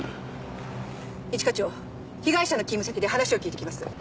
一課長被害者の勤務先で話を聞いてきます。